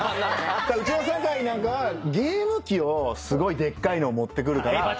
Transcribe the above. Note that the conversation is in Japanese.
うちの酒井なんかはゲーム機をすごいでっかいのを持ってくるから。